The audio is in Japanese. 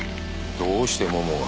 どうしてモモが？